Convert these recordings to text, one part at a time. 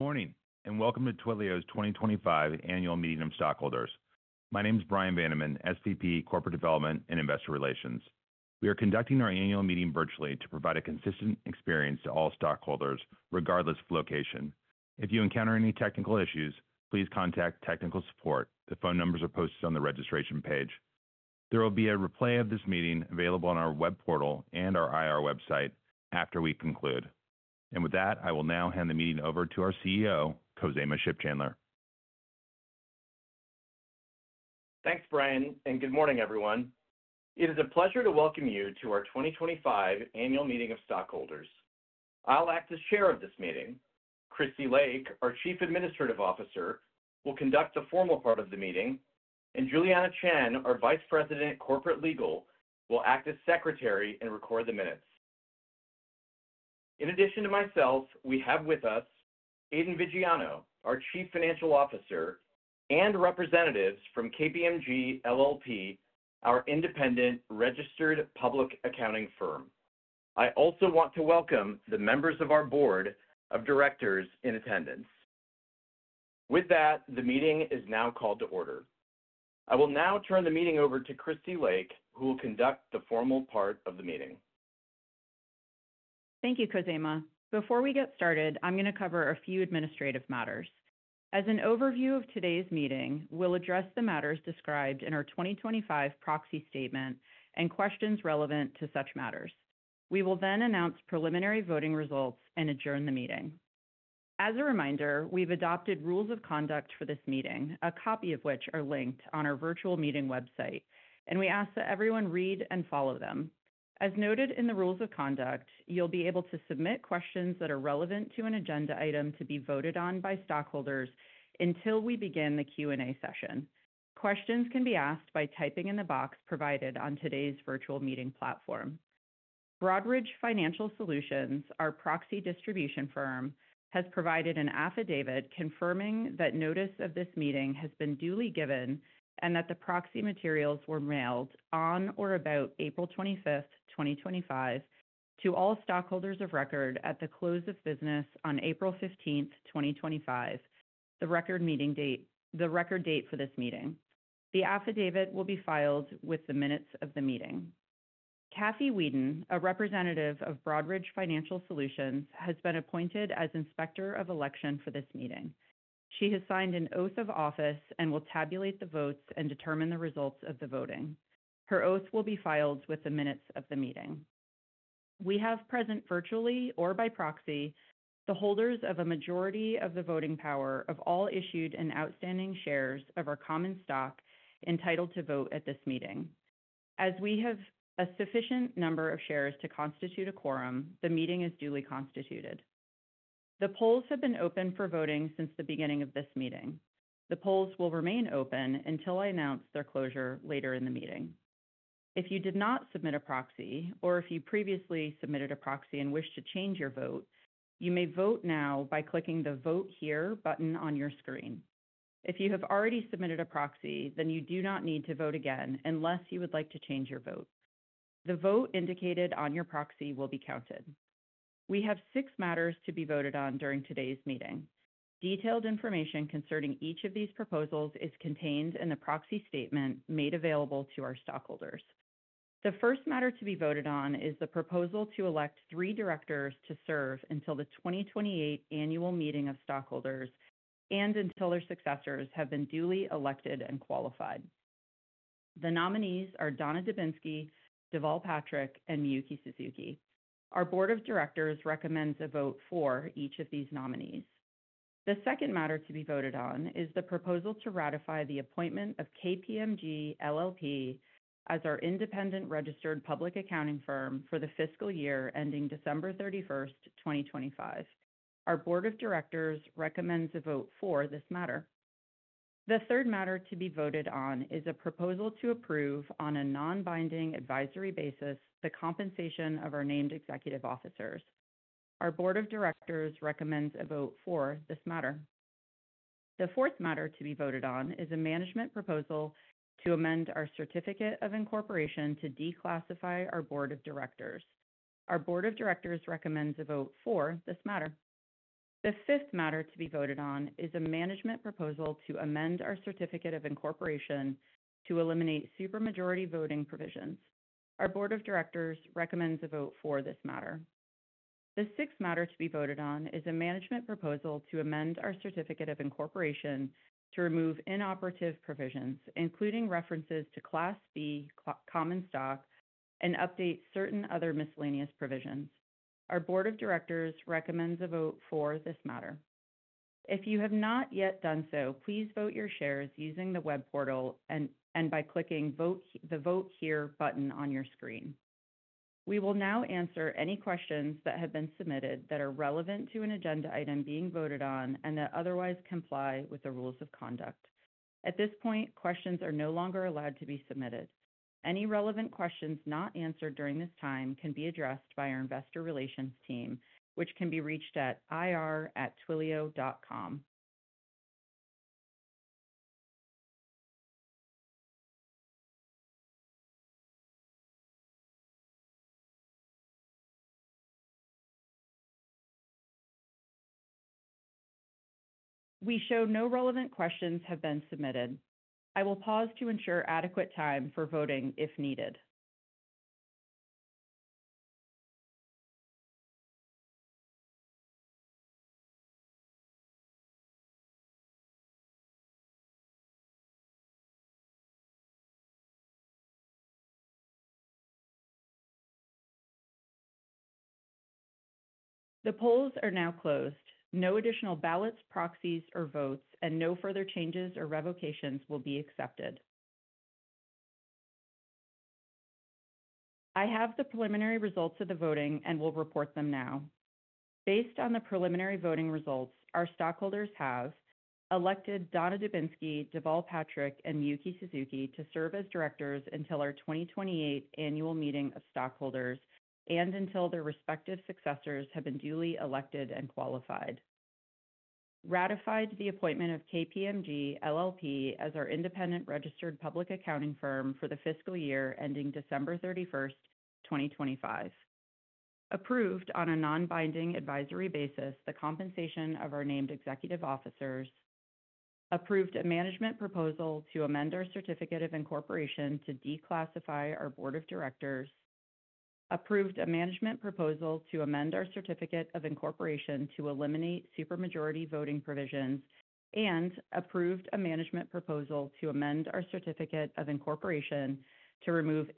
Good morning and welcome to Twilio's 2025 Annual Meeting of stockholders. My name is Bryan Vaniman, SVP of Corporate Development and Investor Relations. We are conducting our annual meeting virtually to provide a consistent experience to all stockholders, regardless of location. If you encounter any technical issues, please contact technical support. The phone numbers are posted on the registration page. There will be a replay of this meeting available on our web portal and our IR website after we conclude. I will now hand the meeting over to our CEO, Khozema Shipchandler. Thanks, Bryan, and good morning, everyone. It is a pleasure to welcome you to our 2025 Annual Meeting of Stockholders. I'll act as chair of this meeting. Christy Lake, our Chief Administrative Officer, will conduct the formal part of the meeting, and Juliana Chan, our Vice President Corporate Legal, will act as secretary and record the minutes. In addition to myself, we have with us Aidan Viggiano, our Chief Financial Officer, and representatives from KPMG LLP, our independent registered public accounting firm. I also want to welcome the members of our Board of Directors in attendance. With that, the meeting is now called to order. I will now turn the meeting over to Christy Lake, who will conduct the formal part of the meeting. Thank you, Khozema. Before we get started, I'm going to cover a few administrative matters. As an overview of today's meeting, we'll address the matters described in our 2025 Proxy Statement and questions relevant to such matters. We will then announce preliminary voting results and adjourn the meeting. As a reminder, we've adopted rules of conduct for this meeting, a copy of which is linked on our virtual meeting website, and we ask that everyone read and follow them. As noted in the rules of conduct, you'll be able to submit questions that are relevant to an agenda item to be voted on by stockholders until we begin the Q&A session. Questions can be asked by typing in the box provided on today's virtual meeting platform. Broadridge Financial Solutions, our proxy distribution firm, has provided an affidavit confirming that notice of this meeting has been duly given and that the proxy materials were mailed on or about April 25th, 2025, to all stockholders of record at the close of business on April 15th, 2025, the record meeting date for this meeting. The affidavit will be filed with the minutes of the meeting. Kathy Wieden, a representative of Broadridge Financial Solutions, has been appointed as inspector of election for this meeting. She has signed an oath of office and will tabulate the votes and determine the results of the voting. Her oath will be filed with the minutes of the meeting. We have present virtually or by proxy the holders of a majority of the voting power of all issued and outstanding shares of our common stock entitled to vote at this meeting. As we have a sufficient number of shares to constitute a quorum, the meeting is duly constituted. The polls have been open for voting since the beginning of this meeting. The polls will remain open until I announce their closure later in the meeting. If you did not submit a proxy or if you previously submitted a proxy and wish to change your vote, you may vote now by clicking the "Vote Here" button on your screen. If you have already submitted a proxy, then you do not need to vote again unless you would like to change your vote. The vote indicated on your proxy will be counted. We have six matters to be voted on during today's meeting. Detailed information concerning each of these proposals is contained in the proxy statement made available to our stockholders. The first matter to be voted on is the proposal to elect three directors to serve until the 2028 Annual Meeting of Stockholders and until their successors have been duly elected and qualified. The nominees are Donna Dubinsky, Deval Patrick, and Miyuki Suzuki. Our Board of Directors recommends a vote for each of these nominees. The second matter to be voted on is the proposal to ratify the appointment of KPMG LLP as our independent registered public accounting firm for the fiscal year ending December 31st, 2025. Our Board of Directors recommends a vote for this matter. The third matter to be voted on is a proposal to approve on a non-binding advisory basis the compensation of our named executive officers. Our Board of Directors recommends a vote for this matter. The fourth matter to be voted on is a management proposal to amend our certificate of incorporation to declassify our Board of Directors. Our Board of Directors recommends a vote for this matter. The fifth matter to be voted on is a management proposal to amend our certificate of incorporation to eliminate supermajority voting provisions. Our Board of Directors recommends a vote for this matter. The sixth matter to be voted on is a management proposal to amend our certificate of incorporation to remove inoperative provisions, including references to Class B common stock and update certain other miscellaneous provisions. Our Board of Directors recommends a vote for this matter. If you have not yet done so, please vote your shares using the web portal and by clicking the "Vote Here" button on your screen. We will now answer any questions that have been submitted that are relevant to an agenda item being voted on and that otherwise comply with the rules of conduct. At this point, questions are no longer allowed to be submitted. Any relevant questions not answered during this time can be addressed by our investor relations team, which can be reached at ir@twilio.com. We show no relevant questions have been submitted. I will pause to ensure adequate time for voting if needed. The polls are now closed. No additional ballots, proxies, or votes, and no further changes or revocations will be accepted. I have the preliminary results of the voting and will report them now. Based on the preliminary voting results, our stockholders have elected Donna Dubinsky, Deval Patrick, and Miyuki Suzuki to serve as directors until our 2028 Annual Meeting of Stockholders and until their respective successors have been duly elected and qualified. Ratified the appointment of KPMG LLP as our independent registered public accounting firm for the fiscal year ending December 31st, 2025. Approved on a non-binding advisory basis the compensation of our named executive officers. Approved a management proposal to amend our certificate of incorporation to declassify our Board of Directors. Approved a management proposal to amend our certificate of incorporation to eliminate supermajority voting provisions. Approved a management proposal to amend our certificate of incorporation to remove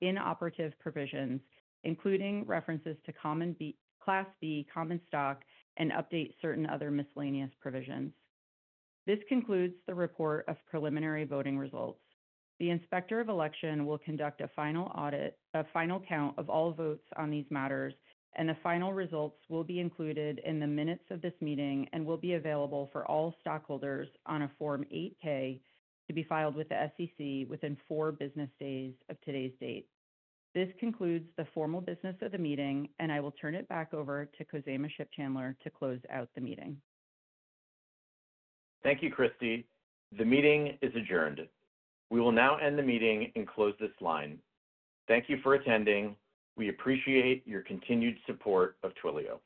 inoperative provisions, including references to Class B common stock and update certain other miscellaneous provisions. This concludes the report of preliminary voting results. The inspector of election will conduct a final audit, a final count of all votes on these matters, and the final results will be included in the minutes of this meeting and will be available for all stockholders on a Form 8-K to be filed with the SEC within four business days of today's date. This concludes the formal business of the meeting, and I will turn it back over to Khozema Shipchandler to close out the meeting. Thank you, Christy. The meeting is adjourned. We will now end the meeting and close this line. Thank you for attending. We appreciate your continued support of Twilio.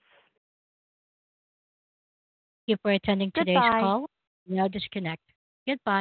Thank you for attending today's call. Goodbye. Now disconnect. Goodbye.